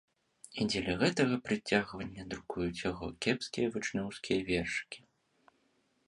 І дзеля гэтага прыцягвання друкуюць яго кепскія вучнёўскія вершыкі.